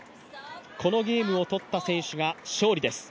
このゲームを取った選手が勝利です。